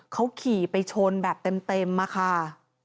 เขาขี่ไปชนแบบเต็มอะค่ะ